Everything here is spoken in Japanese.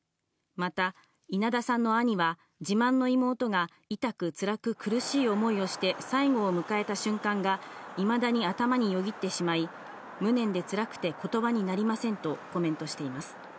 また、稲田さんの兄は、自慢の妹が痛くつらく苦しい思いをして最期を迎えた瞬間がいまだに頭によぎってしまい、無念でつらくてことばになりませんとコメントしています。